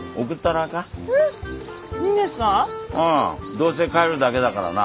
どうせ帰るだけだからな。